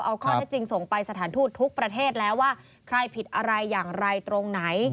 เอาข้อเท็จจริงส่งไปสถานทูตทุกประเทศแล้วว่าใครผิดอะไรอย่างไรตรงไหน